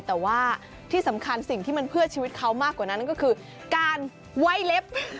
แต่ว่าที่สำคัญสิ่งที่มันเพื่อชีวิตเขามากกว่านั้นก็คือการไว้เล็บ